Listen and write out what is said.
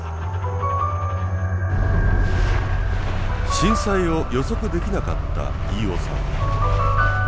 震災を予測できなかった飯尾さん。